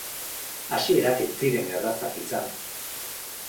Hasierak ez ziren errazak izan.